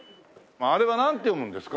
あれはなんて読むんですか？